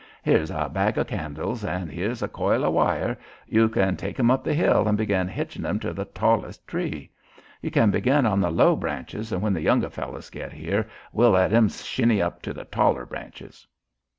Here's a bag o' candles and here's a coil o' wire. You can take 'em up the hill and begin hitchin' 'em to the tallest tree. You can begin on the low branches an' when the younger fellows get here we'll let 'em shinney up to the taller branches."